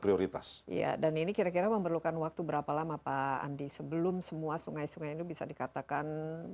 lebih dari satu triliun karena iya adalah prioritas dan ini kira kira memerlukan waktu berapa lama pak andi sebelum semua sungai sungai ini bisa dikatakan